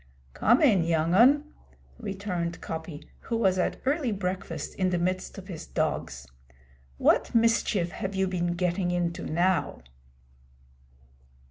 'Come in, young 'un,' returned Coppy, who was at early breakfast in the midst of his dogs. 'What mischief have you been getting into now?'